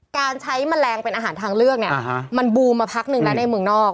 การใช้แมลงเป็นอาหารทางเลือกเนี่ยมันบูมมาพักหนึ่งแล้วในเมืองนอก